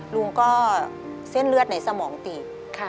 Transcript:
ลุงก็เส้นเลือดในสมองตีบ